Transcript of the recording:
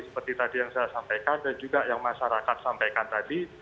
seperti tadi yang saya sampaikan dan juga yang masyarakat sampaikan tadi